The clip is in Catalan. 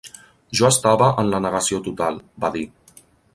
"Jo estava en la negació total", va dir.